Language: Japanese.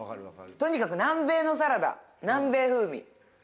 とにかく南米のサラダ南米風味。